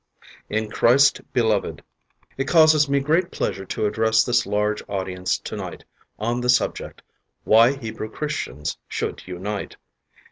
In Christ Beloved: It causes me great pleasure to address this large audience to night on the subject, "Why Hebrew Christians Should Unite."